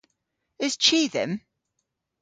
Eus chi dhymm?